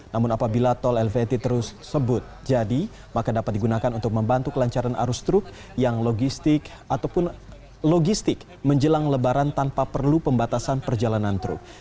namun apabila tol elevated terus sebut jadi maka dapat digunakan untuk membantu kelancaran arus truk yang logistik menjelang lebaran tanpa perlu pembatasan perjalanan truk